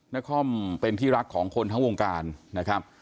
นครเป็นที่รักของคนทั้งวงการนะครับ